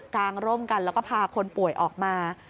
งร่มกันแล้วก็พาคนป่วยออกมา